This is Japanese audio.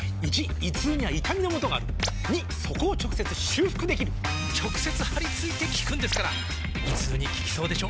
①胃痛には痛みのもとがある②そこを直接修復できる直接貼り付いて効くんですから胃痛に効きそうでしょ？